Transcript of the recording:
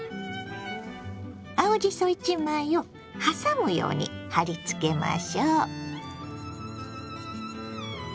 青じそ１枚をはさむように貼りつけましょう。